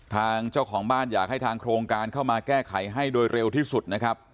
ทางเจ้าของบ้านอยากให้ทางโครงการเข้ามาแก้ไขให้โดยเร็วที่สุดนะครับ